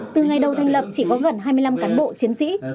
từ ngày đầu thành lập chỉ có gần hai mươi năm cán bộ chiến sĩ